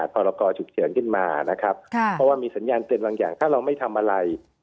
เพราะมีสัญญาณเป็นอย่างถ้าเราไม่ทำอะไร